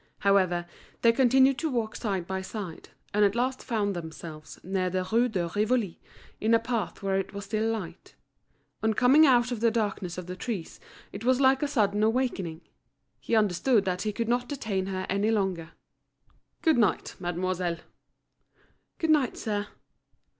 However, they continued to walk side by side, and at last found themselves near the Rue de Rivoli, in a path where it was still light. On coming out of the darkness of the trees it was like a sudden awakening. He understood that he could not detain her any longer. "Good night, mademoiselle." "Good night, sir."